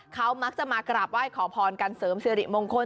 เขามักจะมากราบไหว้ขอพรกันเสริมสิริมงคล